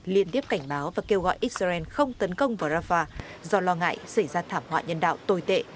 liên tiếp cảnh báo và kêu gọi israel không tấn công vào rafah do lo ngại xảy ra thảm họa nhân đạo tồi tệ